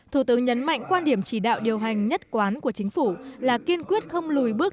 thủ tướng nhấn mạnh quan điểm chỉ đạo điều hành nhất quán của chính phủ là kiên quyết không lùi bước